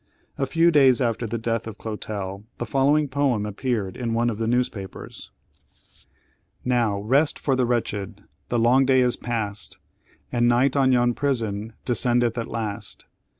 A few days after the death of Clotel, the following poem appeared in one of the newspapers: "Now, rest for the wretched! the long day is past, And night on yon prison descendeth at last.